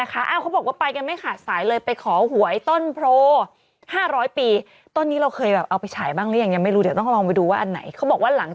จริงเร็วค่ะปีนี้ผ่านไปเร็วมากจริง